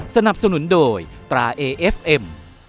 สนับสนุนโดยตราเอเอฟเอ็ม